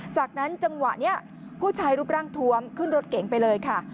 จากนั้นจังหวะนี้ผู้ชายรูปร่างทวมขึ้นรถเก๋งไปเลยค่ะ